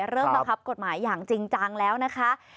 บังคับกฎหมายอย่างจริงจังแล้วนะคะ